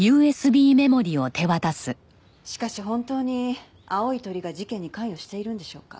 しかし本当に青い鳥が事件に関与しているんでしょうか？